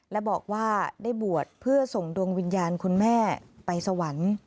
และบอกว่าได้บวชเพื่อส่งดวงวิญญาณคุณแม่ไปสวรรค์